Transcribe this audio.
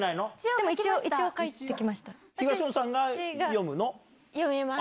でも一応、書いてきました。